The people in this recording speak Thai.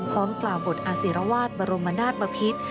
พร้อมกล่าวบทอาศิรวาสบรมนาศบพิษ